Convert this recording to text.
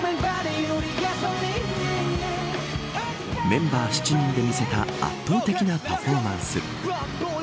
メンバー７人で見せた圧倒的なパフォーマンス。